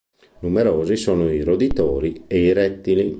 Numerosi sono i roditori e i rettili.